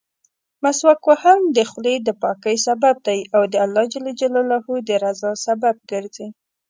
مسواک وهل د خولې دپاکۍسبب دی او د الله جل جلاله درضا سبب ګرځي.